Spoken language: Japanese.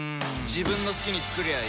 自分の好きに作りゃいい